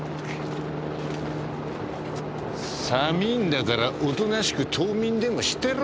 寒いんだからおとなしく冬眠でもしてろよ亀！